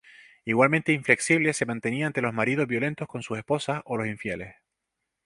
Igualmente inflexible se mantenía ante los maridos violentos con sus esposas o los infieles.